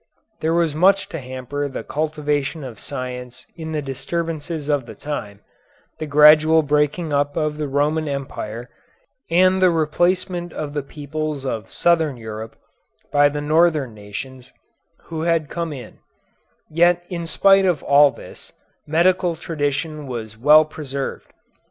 There was much to hamper the cultivation of science in the disturbances of the time, the gradual breaking up of the Roman Empire, and the replacement of the peoples of southern Europe by the northern nations, who had come in, yet in spite of all this, medical tradition was well preserved.